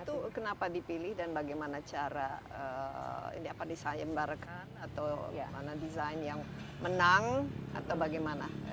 itu kenapa dipilih dan bagaimana cara ini apa disayembarkan atau mana desain yang menang atau bagaimana